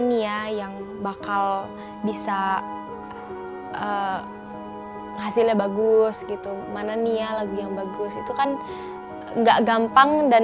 nia yang bakal bisa hasilnya bagus gitu mana nia lagu yang bagus itu kan enggak gampang dan